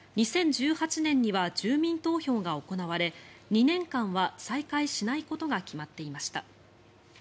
２０１８年には住民投票が行われ２年間は再開しないことが決まっていました。